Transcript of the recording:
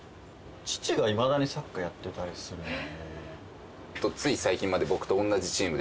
父がいまだにサッカーやってたりするんで。